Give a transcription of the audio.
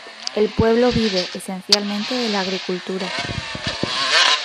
El pueblo vive esencialmente de la agricultura.